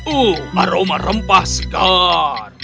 uh aroma rempah segar